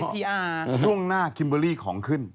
ช่วงหน้าคิมเบอร์รี่ของขึ้น